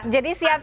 ya pasti mbak